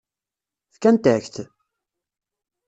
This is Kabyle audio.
Fkant-ak-t?